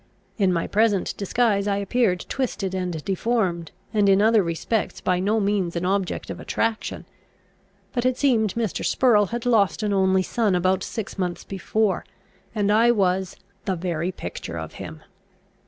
In my present disguise I appeared twisted and deformed, and in other respects by no means an object of attraction. But it seemed Mr. Spurrel had lost an only son about six months before, and I was "the very picture of him."